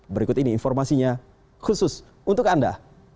berikut ini informasinya khusus untuk anda